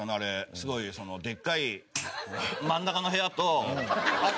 すごいそのでっかい真ん中の部屋とあと。